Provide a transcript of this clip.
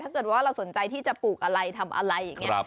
ถ้าเกิดว่าเราสนใจที่จะปลูกอะไรทำอะไรอย่างนี้